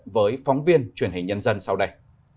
với phóng viên truyền hình nhân dân sau đây